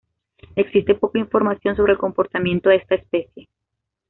Existe poca información sobre el comportamiento de esta especie.